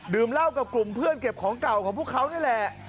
เหล้ากับกลุ่มเพื่อนเก็บของเก่าของพวกเขานี่แหละ